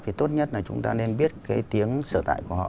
thì tốt nhất là chúng ta nên biết cái tiếng sở tại của họ